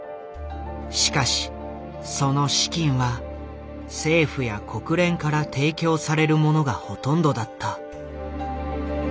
しかしその資金は政府や国連から提供されるものがほとんどだった。